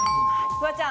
フワちゃん。